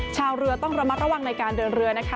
ชาวเรือต้องระมัดระวังในการเดินเรือนะคะ